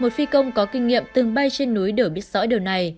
một phi công có kinh nghiệm từng bay trên núi đều biết rõ điều này